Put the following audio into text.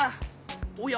おや？